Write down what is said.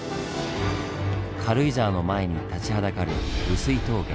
軽井沢の前に立ちはだかる碓氷峠。